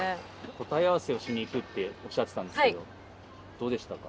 「答えあわせをしにいく」っておっしゃってたんですけどどうでしたか？